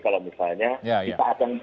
kalau misalnya kita akan